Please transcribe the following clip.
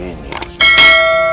ini yang harus kau lakukan